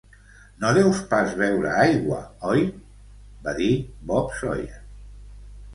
'No deus pas veure aigua, oi?' va dir Bob Sawyer.